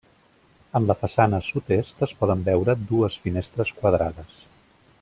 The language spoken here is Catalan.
En la façana sud-est es poden veure dues finestres quadrades.